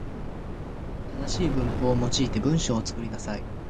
正しい文法を用いて文章を作りなさい。